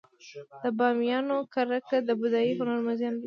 د بامیانو ککرک د بودايي هنر موزیم دی